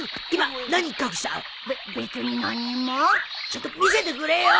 ちょっと見せてくれよ。